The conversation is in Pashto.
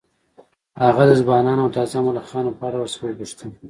هغه د ځوانو او تازه ملخانو په اړه ورڅخه وپوښتل